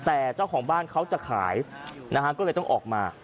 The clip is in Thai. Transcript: แต่เจ้าของบ้านเขาจะขายนะฮะก็เลยต้องออกมา